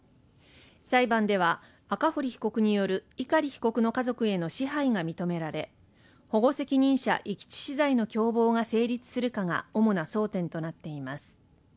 裁判では赤堀被告による碇被告の家族への支配が認められ保護責任者遺棄致死罪の共謀が成立するかが主な争点となっています